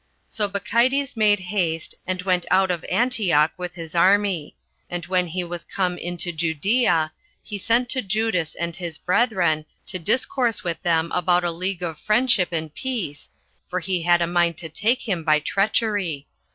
So Bacchides made haste, and went out of Antioch with his army; and when he was come into Judea, he sent to Judas and his brethren, to discourse with them about a league of friendship and peace, for he had a mind to take him by treachery.